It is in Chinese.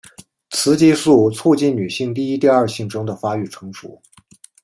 雌激素促进女性第一第二性征的发育成熟。